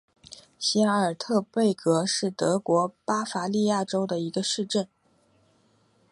席尔特贝格是德国巴伐利亚州的一个市镇。